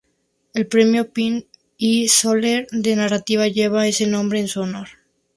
El premio Pin i Soler de narrativa lleva ese nombre en su honor.